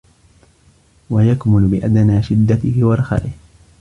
وَيَكْمُلُ بِأَدْنَى شِدَّتِهِ وَرَخَائِهِ